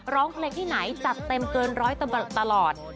ร้องเพลงที่ไหนจัดเต็มเกินร้อยตลอด